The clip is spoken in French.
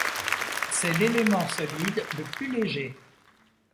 C'est l'élément solide le plus léger.